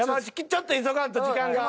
ちょっと急がんと時間が。